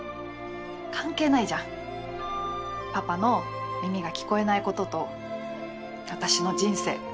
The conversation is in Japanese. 関係ないじゃんパパの耳が聞こえないことと私の人生。